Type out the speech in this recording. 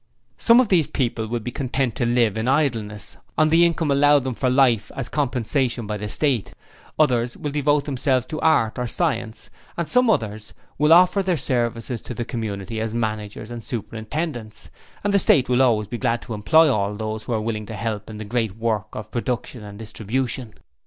Some of these people will be content to live in idleness on the income allowed them for life as compensation by the State: others will devote themselves to art or science and some others will offer their services to the community as managers and superintendents, and the State will always be glad to employ all those who are willing to help in the Great Work of production and distribution.